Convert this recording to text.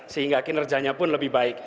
sehingga kinerjanya pun lebih baik